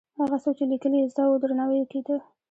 هغه څوک چې لیکل یې زده وو، درناوی یې کېده.